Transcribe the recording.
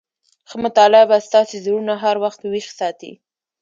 ښه مطالعه به ستاسي زړونه هر وخت ويښ ساتي.